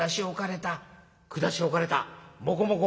「下しおかれた？もこもこ？」。